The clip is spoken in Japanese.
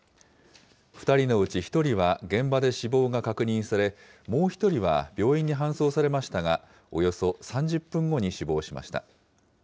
２人のうち１人は現場で死亡が確認され、もう１人は病院に搬送されましたが、およそ３０分後に死亡しました。